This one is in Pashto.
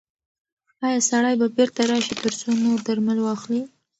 ایا سړی به بیرته راشي ترڅو نور درمل واخلي؟